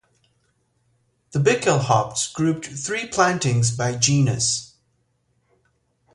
The Bickelhaupts grouped tree plantings by genus.